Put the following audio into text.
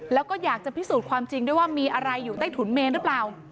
แล้วก็อยากจะพิสูจน์ความจริงด้วยว่ามีอะไรอยู่ใต้ถุนเมนหรือเปล่า